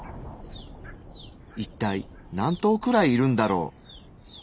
いったい何頭くらいいるんだろう。